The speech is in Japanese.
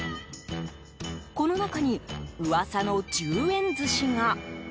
この中にうわさの１０円寿司が。